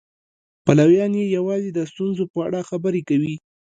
پلویان یې یوازې د ستونزو په اړه خبرې کوي.